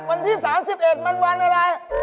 วันที่๓๑มันวันอะไร